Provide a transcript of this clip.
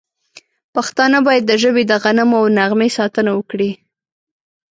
پښتانه باید د ژبې د غنمو او نغمې ساتنه وکړي.